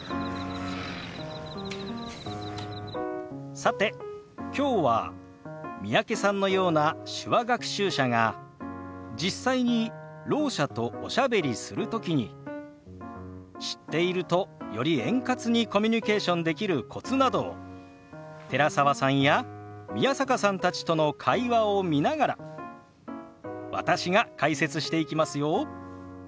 さてきょうは三宅さんのような手話学習者が実際にろう者とおしゃべりする時に知っているとより円滑にコミュニケーションできるコツなどを寺澤さんや宮坂さんたちとの会話を見ながら私が解説していきますよ。